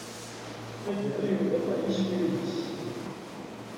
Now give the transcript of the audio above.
Tagara, yewweḍ ɣer yiswi-nnes.